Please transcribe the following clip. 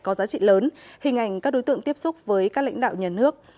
có giá trị lớn hình ảnh các đối tượng tiếp xúc với các lãnh đạo nhà nước